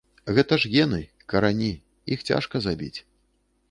Гэта ж гены, карані, іх цяжка забіць.